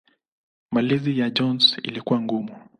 Malezi ya Jones ilikuwa ngumu.